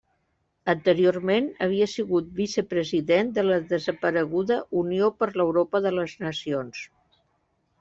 Anteriorment, havia sigut vicepresident de la desapareguda Unió per l'Europa de les Nacions.